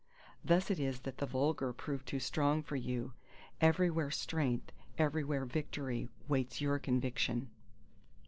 Thus it is that the Vulgar prove too strong for you. Everywhere strength, everywhere victory waits your conviction!